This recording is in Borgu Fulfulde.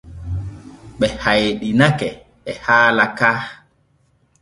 Ɓe hayɗinake e haala ka.